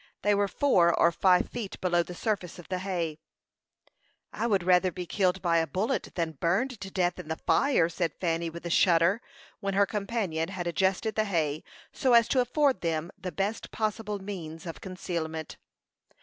They were four or five feet below the surface of the hay. "I would rather be killed by a bullet than burned to death in the fire," said Fanny, with a shudder, when her companion had adjusted the hay so as to afford them the best possible means of concealment.